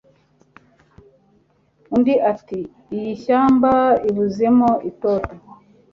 Undi ati Iyishyamba ibuzemo itoto